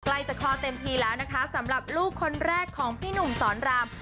ใกล้จะคลอดเต็มทีแล้วนะคะสำหรับลูกคนแรกของพี่หนุ่มสอนราม